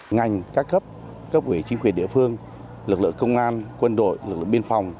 ngành các cấp cấp ủy chính quyền địa phương lực lượng công an quân đội lực lượng biên phòng